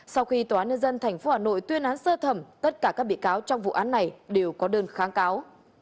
sau khi tòa án nhân dân tp hà nội tuyên án sơ thẩm tất cả các bị cáo trong vụ án này đều có đơn kháng cáo